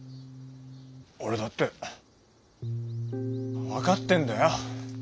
俺だって分かってんだよ。